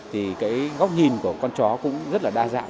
thì cái góc nhìn của con chó cũng rất là đa dạng